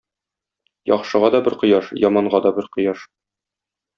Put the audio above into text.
Яхшыга да бер кояш, яманга да бер кояш.